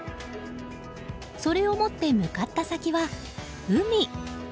それを持って向かった先は、海。